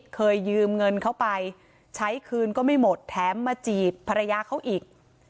เคยยืมเงินเขาไปใช้คืนก็ไม่หมดแถมมาจีบภรรยาเขาอีก